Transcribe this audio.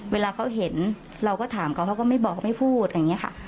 เวลาเขาเห็นเราก็ถามเขาเพราะว่าไม่บอกไม่พูดอย่างเงี้ยค่ะ